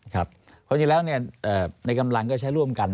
ครับเพราะอย่างนี้แล้วเนี่ยในกำลังก็ใช้ร่วมกัน